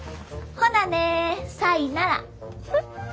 ほなねさいなら。